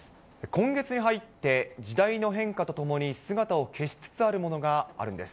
今月に入って時代の変化とともに姿を消しつつあるものがあるんです。